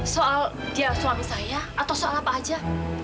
soal dia suami saya atau soal apa aja